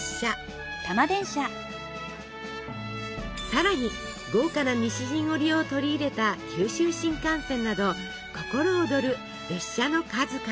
さらに豪華な西陣織を取り入れた九州新幹線など心躍る列車の数々。